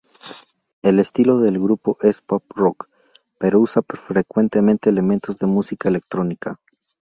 El estilo del grupo es pop-rock, pero usa frecuentemente elementos de música electrónica.